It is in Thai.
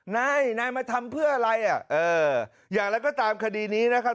นายมาทำเพื่ออะไรอย่างไรก็ตามคดีนี้นะครับ